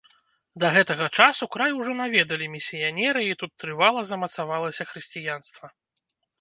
Да гэтага часу край ужо наведалі місіянеры і тут трывала замацавалася хрысціянства.